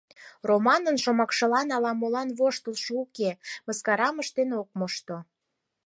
Раманын шомакшылан ала-молан воштылшо уке: мыскарам ыштен ок мошто.